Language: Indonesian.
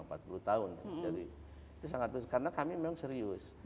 jadi itu sangat karena kami memang serius